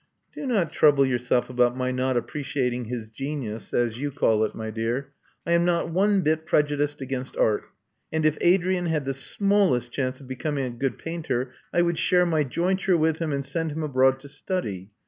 •*Do not trouble yourself about my not appreciating his genius, as you call it, my dear. I am not one bit prejudiced against art; and if Adrian had the smallest chance of becoming a good painter, I would share my jointure with him and send him abroad to study.